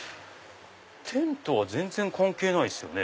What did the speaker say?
テントは全然関係ないですよね